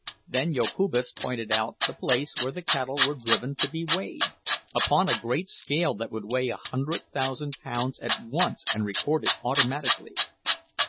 Then Jokubas pointed out the place where the cattle were driven to be weighed, upon a great scale that would weigh a hundred thousand pounds at once and record it automatically.